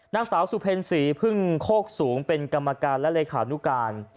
นางสาวสุเพ็ญศรีพึ่งโคกสูงเป็นกรรมการและเลขานุการ